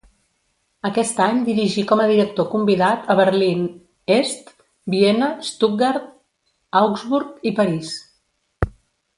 Aquest any dirigí com a director convidat a Berlín Est, Viena, Stuttgart, Augsburg i París.